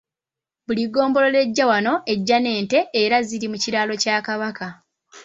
Buli ggombolola ejja wano ejja n'ente era ziri mu kiraalo kya Kabaka.